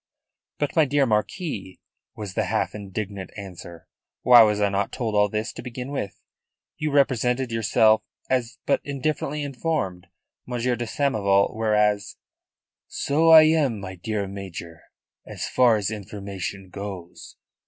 "But, my dear Marquis," was the half indignant answer, "why was I not told all this to begin with? You represented yourself as but indifferently informed, Monsieur de Samoval. Whereas " "So I am, my dear Major, as far as information goes.